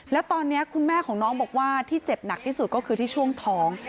แล้วตอนนี้คุณแม่ของน้องบอกว่าที่เจ็บหนักที่สุดก็คือที่ช่วงท้อง